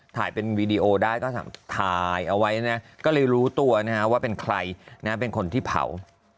ถ่ายเป็นวีดีโอได้ก็ถ่ายเอาไว้นะก็เลยรู้ตัวนะฮะว่าเป็นใครนะเป็นคนที่เผา